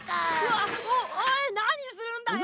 わっおい何するんだよ！